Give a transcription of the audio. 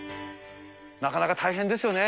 なかなか大変ですよね。